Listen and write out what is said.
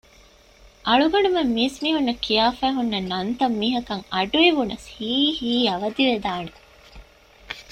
އަޅުގަނޑުމެން މީސްމީހުންނަށް ކިޔާފައި ހުންނަ ނަންތައް މީހަކަށް އަޑުއިވުނަސް ހީނހީނ އަވަދިވެދާނެ